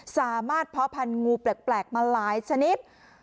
สามารถเพาะพันงูแปลกมาหลายชนิด